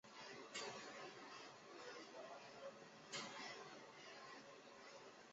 这样的形势可能对国会第一大党大会党和第二大党革阵的选情构成不利影响。